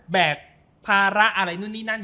แบกภาระอะไร